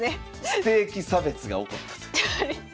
ステーキ差別が起こったという。